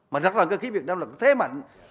mà rất là cơ khí việt nam là thế mạnh